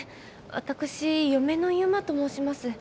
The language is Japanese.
私嫁の由真と申します。